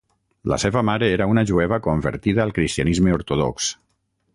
La seva mare era una jueva convertida al cristianisme ortodox.